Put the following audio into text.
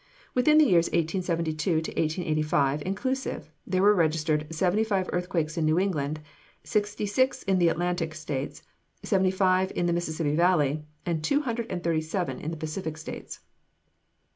Within the years 1872 1885, inclusive, there were registered seventy five earthquakes in New England, sixty six in the Atlantic States, seventy five in the Mississippi Valley, and two hundred and thirty seven in the Pacific States.